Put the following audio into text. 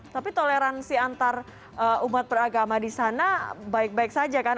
tapi toleransi antar umat beragama di sana baik baik saja kan